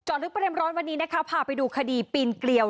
ลึกประเด็นร้อนวันนี้นะคะพาไปดูคดีปีนเกลียว